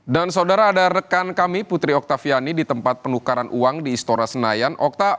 dan saudara ada rekan kami putri oktaviani di tempat penukaran uang di istora senayan